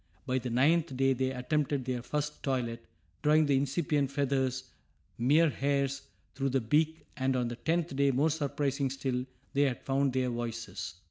By the ninth day they attempted their first toilet, drawing the incipient feathers, mere hairs, through the beak, and on the tenth day, more surprising still, they had found their voices.